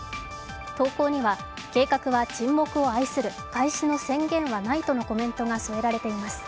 投稿には計画は沈黙を愛する開始の宣言はないとのコメントが添えられています。